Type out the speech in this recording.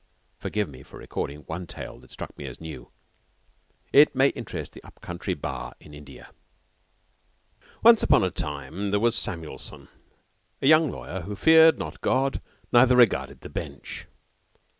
Forgive me for recording one tale that struck me as new. It may interest the up country Bar in India. Once upon a time there was Samuelson, a young lawyer, who feared not God, neither regarded the Bench.